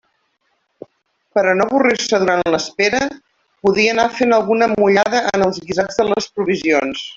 Per a no avorrir-se durant l'espera, podia anar fent alguna mullada en els guisats de les provisions.